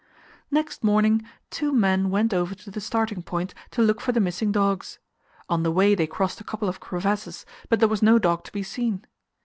Next morning two men went over to the starting point to look for the missing dogs. On the way they crossed a couple of crevasses, but there was no dog to be seen.